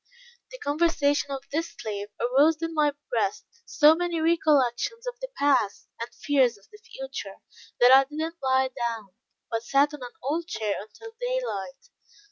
The conversation of this slave aroused in my breast so many recollections of the past, and fears of the future, that I did not lie down, but sat on an old chair until daylight.